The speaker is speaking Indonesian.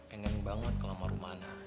enak banget kelama rumana